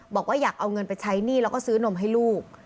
บอกว่าอยากเอาเงินไปใช้หนี้แล้วก็ซื้อนมให้ลูก